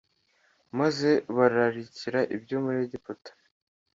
maze bararikira ibyo muri Egiputa